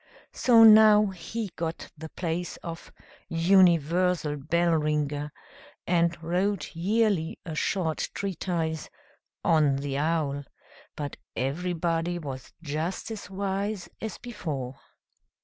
So now he got the place of "Universal Bell ringer," and wrote yearly a short treatise "On the Owl"; but everybody was just as wise as before.